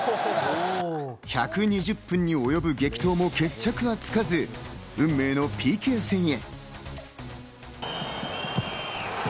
１２０分に及ぶ激闘も決着はつかず、運命のＰＫ戦へ。